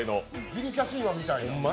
ギリシャ神話みたいな。